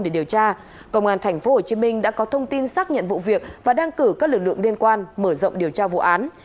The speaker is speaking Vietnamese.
để điều tra công an tp hcm đã có thông tin xác nhận vụ việc và đang cử các lực lượng liên quan mở rộng điều tra vụ án